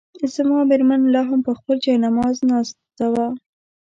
زما مېرمن لا هم پر خپل جاینماز ناست وه.